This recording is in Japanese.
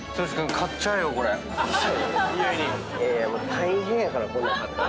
大変やからこんなん買ったら。